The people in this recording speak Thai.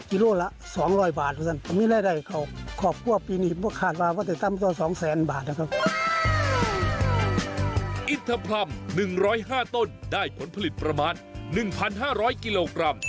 อินทรัมป์๑๐๕ต้นได้ผลผลิตประมาณ๑๕๐๐กิโลกรัม